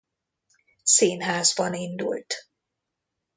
Színházban indult.